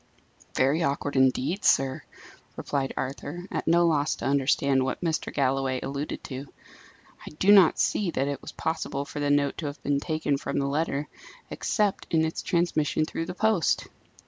"Very awkward, indeed, sir," replied Arthur, at no loss to understand what Mr. Galloway alluded to. "I do not see that it was possible for the note to have been taken from the letter, except in its transmission through the post."